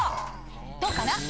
どうかな？